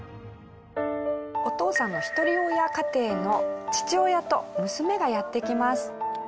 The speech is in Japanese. お父さんがひとり親家庭の父親と娘がやってきます。